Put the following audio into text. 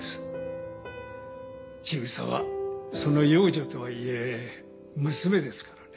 千草はその養女とはいえ娘ですからね。